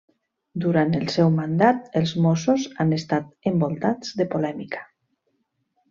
Duran el seu mandat els mossos han estat envoltats de polèmica.